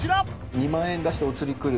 ２万円出しておつり来る。